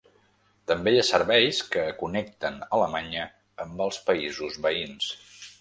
També hi ha serveis que connecten Alemanya amb els països veïns.